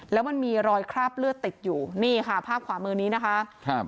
แล้วมันมีรอยคราบเลือดติดอยู่นี่ค่ะภาพขวามือนี้นะคะครับ